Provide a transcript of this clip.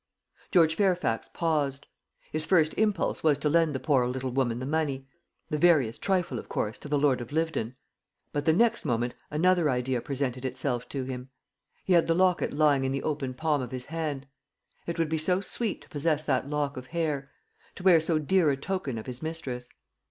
George Fairfax paused. His first impulse was to lend the poor little woman the money the veriest trifle, of course, to the lord of Lyvedon. But the next moment another idea presented itself to him. He had the locket lying in the open palm of his hand. It would be so sweet to possess that lock of hair to wear so dear a token of his mistress.